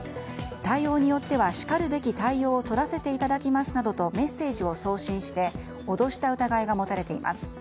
対応によってはしかるべき対応をとらせていただきますなどとメッセージを送信して脅した疑いが持たれています。